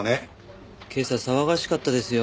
今朝騒がしかったですよ。